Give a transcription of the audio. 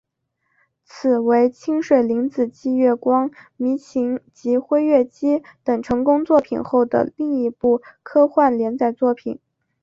此为清水玲子继月光迷情及辉夜姬等成功作品后的另一部科幻连载作品。